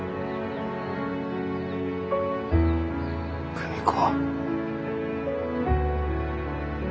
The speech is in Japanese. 久美子。